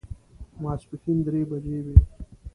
ماسپښین درې بجې وې.